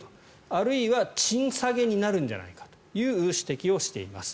あるいは賃下げになるんじゃないかという指摘をしています。